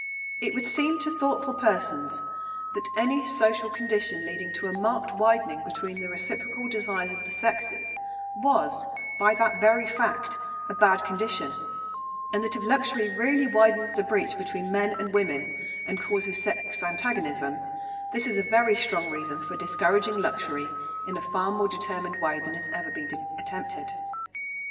It would seem to thoughtful persons that any social condition leading to a marked widening between the reciprocal desires of the sexes was, by that very fact, a bad condition, and that if luxury really widens the breach between men and women and causes sex antagonism, this is a very strong reason for discouraging luxury in a far more determined way than has ever been attempted.